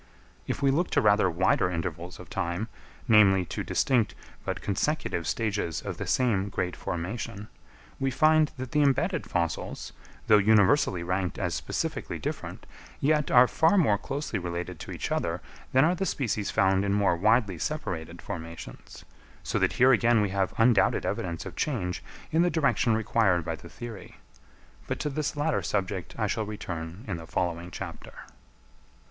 If we look to rather wider intervals of time, namely, to distinct but consecutive stages of the same great formation, we find that the embedded fossils, though universally ranked as specifically different, yet are far more closely related to each other than are the species found in more widely separated formations; so that here again we have undoubted evidence of change in the direction required by the theory; but to this latter subject I shall return in the following chapter.